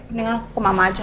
mendingan aku mama aja